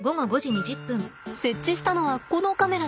設置したのはこのカメラです。